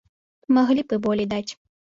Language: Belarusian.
Маглі б і болей даць.